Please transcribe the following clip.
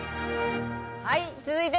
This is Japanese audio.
はい。